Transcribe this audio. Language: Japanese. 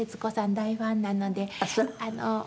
大ファンなのであの。